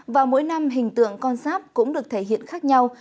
và mỗi năm hình tượng con sáp cũng được thể hiện khác nhau